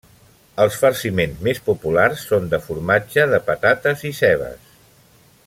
Els farciments més populars són de formatge, de patates i cebes.